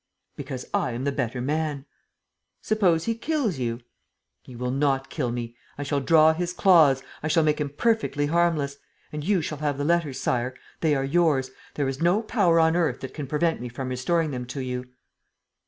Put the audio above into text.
"Because I am the better man." "Suppose he kills you?" "He will not kill me. I shall draw his claws, I shall make him perfectly harmless. And you shall have the letters, Sire. They are yours. There is no power on earth than can prevent me from restoring them to you."